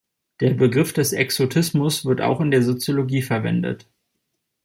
Der Begriff des Exotismus wird auch in der Soziologie verwendet.